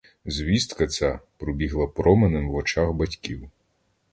Звістка ця пробігла променем в очах батьків.